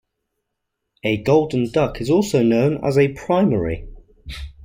A "golden duck" is also known as a "primary".